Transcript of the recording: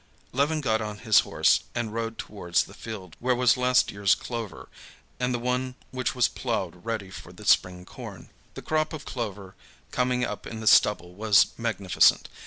Levin got on his horse and rode towards the field where was last year's clover, and the one which was ploughed ready for the spring corn. The crop of clover coming up in the stubble was magnificent.